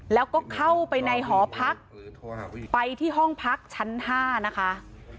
แล้วก็เข้าไปในหอพักไปที่ห้องพักชั้น๕นะคะ